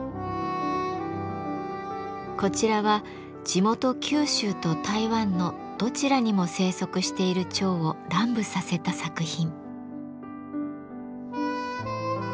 こちらは地元九州と台湾のどちらにも生息している蝶を乱舞させた作品。